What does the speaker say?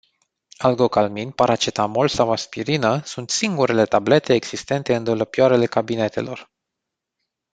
Algocalmin, paracetamol sau aspirină sunt singurele tablete existente în dulăpioarele cabinetelor.